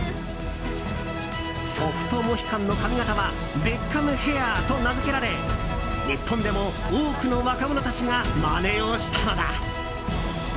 ソフトモヒカンの髪形はベッカムヘアと名付けられ日本でも多くの若者たちがまねをしたのだ。